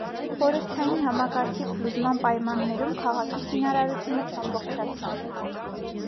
Խորհրդային համակարգի փլուզման պայմաններում քաղաքի շինարարությունը չամբողջացավ։